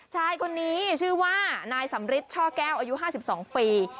ชายคนนี้ชื่อว่านายสำริทช่อแก้วอายุ๕๒ปี